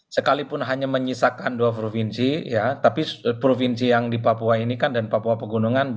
sekalipun hanya menyisakan dua provinsi ya tapi provinsi yang di papua ini kan dan papua pegunungan